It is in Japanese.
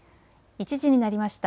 １時になりました。